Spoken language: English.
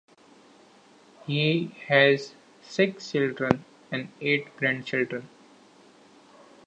He has six children and eight grandchildren.